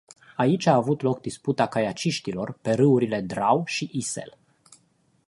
Aici a avut loc disputa kaiaciștilor, pe râurile Drau și Isel.